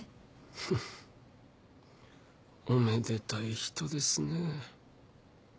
フッおめでたい人ですね。